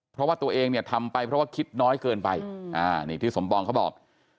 เพราะว่าตัวเองเนี่ยทำไปเพราะว่าคิดน้อยเกินไปนี่ที่สมปองเขาบอก